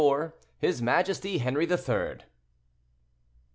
HIS MAJESTY HENRI THE THIRD.